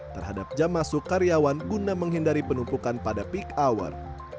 terhadap jam masuk karyawan guna menghindari penumpukan pada peak hour